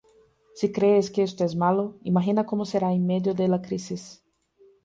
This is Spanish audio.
Si crees que esto es malo, imagina cómo será en medio de la crisis"".